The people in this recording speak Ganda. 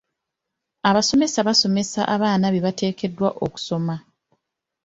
Abasomesa basomesa abaana bye bateekwa okusoma.